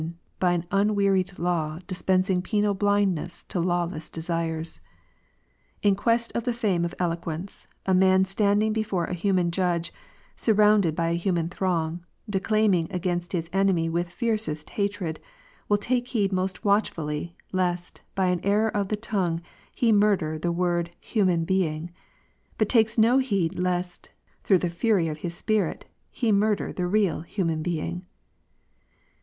and by an unwearied law dispensing penal blindness to law less desires. In quest of the fame of eloquence, a man standing before a human judge, surrounded by a human throng, de claiming against his enemy with fiercest hatred, will take heed most watchfully, lest, by an error of the tongue, he murder the word "human being;" but takes no heed, lest, through the fury of his spirit, he murder the real human being